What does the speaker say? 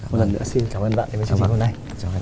một lần nữa xin cảm ơn bạn với chương trình hôm nay